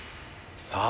さあ